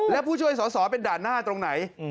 และผู้ช่วยสอสอเป็นด่านหน้าตรงไหน